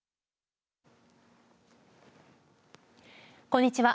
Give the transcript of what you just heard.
こんにちは。